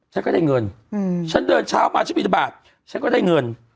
ฉันก็ได้เงินฉันเดินเช้ามาฉันบินทบาทฉันก็ได้เงิน